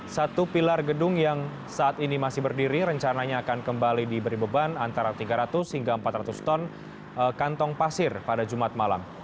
satu pilar gedung yang saat ini masih berdiri rencananya akan kembali diberi beban antara tiga ratus hingga empat ratus ton kantong pasir pada jumat malam